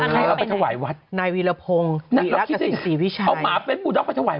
แต่เราก็ต้องมีการแบ่งชนชั้นกับดรตัว